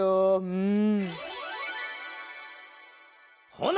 うん！